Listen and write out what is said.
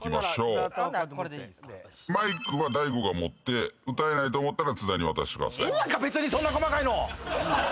マイクは大悟が持って歌えないと思ったら津田に渡してください。